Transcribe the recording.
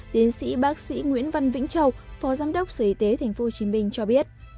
tiến sĩ bác sĩ nguyễn văn vĩnh châu phó giám đốc sở y tế tp hcm cho biết